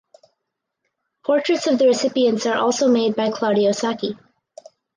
Portraits of the recipients are also made by Claudio Sacchi.